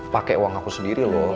pakai uang aku sendiri loh